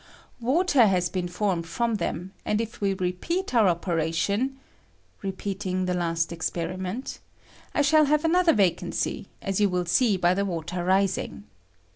"Water has been formed from them ; and if we repeat our operation [repeating the last experiment], I shall have another vacancy, as you will see by the water rising.